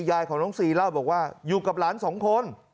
ยายของน้องซีเล่าบอกว่าอยู่กับหลานสองคน